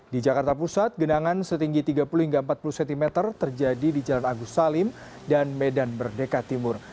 di jakarta pusat genangan setinggi tiga puluh hingga empat puluh cm terjadi di jalan agus salim dan medan merdeka timur